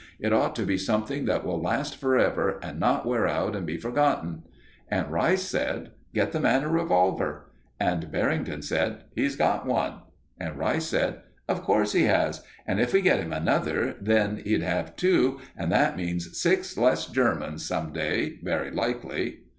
It ought to be something that will last for ever and not wear out and be forgotten." And Rice said: "Get the man a revolver." And Barrington said: "He's got one." And Rice said: "Of course he has. And if we get him another, then he'd have two, and that means six less Germans some day, very likely."